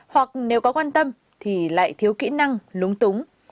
hoặc nếu có quan tâm thì lại thiếu kỹ năng lúng túng